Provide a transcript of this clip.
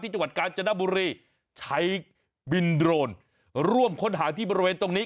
จังหวัดกาญจนบุรีใช้บินโดรนร่วมค้นหาที่บริเวณตรงนี้